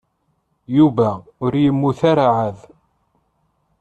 Yuba ur yemmut ara εad.